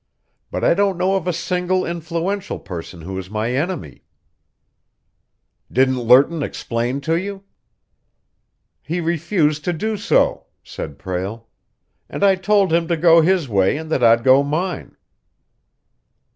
But I don't know of a single influential person who is my enemy." "Didn't Lerton explain to you?" "He refused to do so," said Prale, "and I told him to go his way and that I'd go mine."